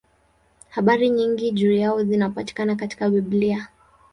Habari nyingi juu yao zinapatikana katika Biblia.